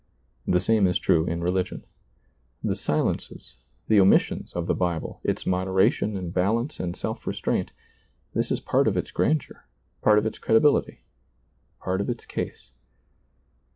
The same is true in religion. The silences, the omissions of the Bible, its moderation and balance and self restraint — this is part of its grandeur, part of its credibility, part of its case.